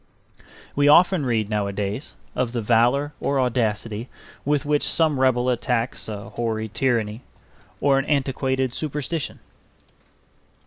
We often read nowadays of the valor or audacity with which some rebel attacks a hoary tyranny or an antiquated superstition.